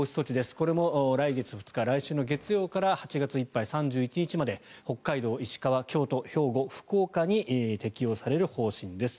これも来月２日来週の月曜日から８月いっぱい３１日まで北海道、石川、京都兵庫、福岡に適用される方針です。